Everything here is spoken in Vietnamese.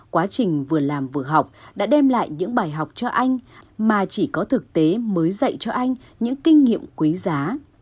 quá trình vừa làm vừa học đã đem lại những bài học cho anh mà chỉ có thực tế mới dạy cho anh những kinh nghiệm quý giá